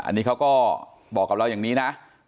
อันนี้เขาก็บอกกับเราอย่างนี้นะ